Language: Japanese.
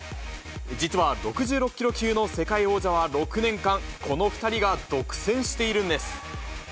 実は６６キロ級の世界王者は６年間、この２人が独占しているんです。